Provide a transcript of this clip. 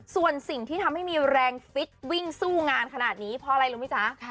ส่วนสิ่งที่ทำให้มีแรงฟิตวิ่งสู้งานขนาดนี้เพราะอะไรรู้ไหมจ๊ะ